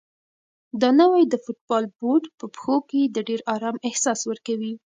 دا نوی د فوټبال بوټ په پښو کې د ډېر ارام احساس ورکوي.